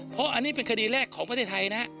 เพราะอันนี้เป็นคดีแรกของประเทศไทยนะฮะ